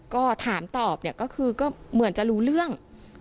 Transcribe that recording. ก็ถามตอบเนี่ยก็คือก็เหมือนจะรู้เรื่อง